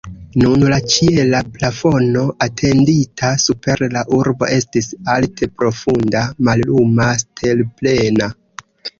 Nun la ĉiela plafono etendita super la urbo estis alte profunda, malluma, stelplena.